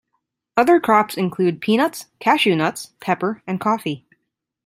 Other crops include peanuts, cashew nuts, pepper, and coffee.